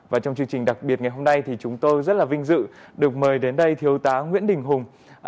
và trong chương trình đặc biệt ngày hôm nay thì chúng tôi rất là vinh dự được mời đến đây thiếu tá nguyễn đình hùng